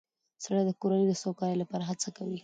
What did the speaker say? سړی د کورنۍ د سوکالۍ لپاره هڅه کوي